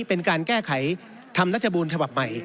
เป็นการแก้ไขทำรัฐบูลฉบับใหม่